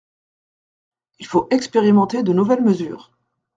Il faut expérimenter de nouvelles mesures.